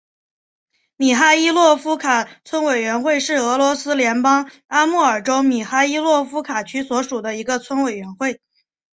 米哈伊洛夫卡村委员会是俄罗斯联邦阿穆尔州米哈伊洛夫卡区所属的一个村委员会。